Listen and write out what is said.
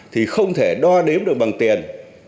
thì không thể đo đếm được bằng tiền